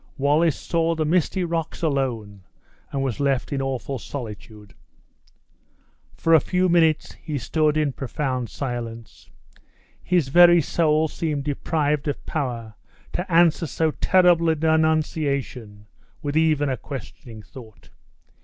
Wallace saw the misty rocks alone, and was left in awful solitude. For a few minutes he stood in profound silence. His very soul seemed deprived of power to answer so terrible a denunciation, with even a questioning thought.